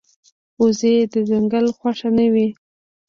وزې د ځنګل خوښه نه وي